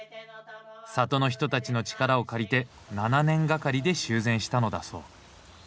里の人たちの力を借りて７年がかりで修繕したのだそう。